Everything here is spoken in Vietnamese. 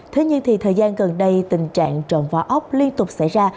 thế nhưng thì thời gian gần đây tình trạng trộn vào ốc liên tục xảy ra